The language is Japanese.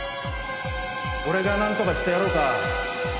俺がなんとかしてやろうか？